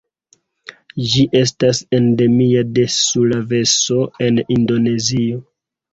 Ĝi estas endemia de Sulaveso en Indonezio.